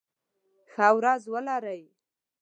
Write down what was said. ښه ورځ ولرئ.